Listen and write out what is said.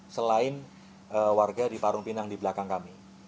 selain warga di warung pinang di belakang kami